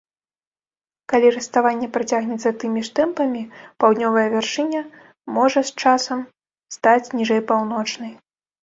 Калі раставанне працягнецца тымі ж тэмпамі, паўднёвая вяршыня можа з часам стаць ніжэй паўночнай.